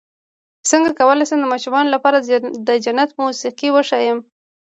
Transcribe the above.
څنګه کولی شم د ماشومانو لپاره د جنت موسيقي وښایم